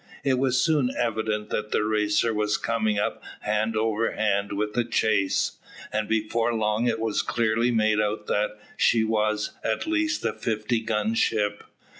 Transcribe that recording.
It was soon evident that the Racer was coming up hand over hand with the chase, and before long it was clearly made out that she was, at least, a fifty gun ship.